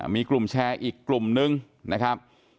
มีกลุ่มแชร์อีกกลุ่มนึงนะครับ